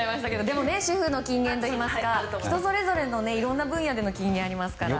でも、主婦の金言といいますか人それぞれのいろいろな分野での金言ありますから。